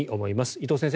伊藤先生